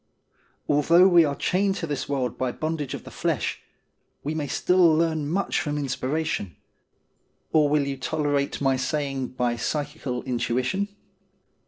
Although we are chained to this world by the bondage of the flesh, we may still learn much from inspiration ; or will you tolerate my saying by psychical intuition